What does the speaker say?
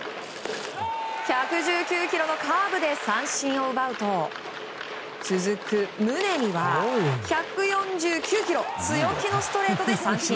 １１９キロのカーブで三振を奪うと続く宗には１４９キロ強気のストレートで三振。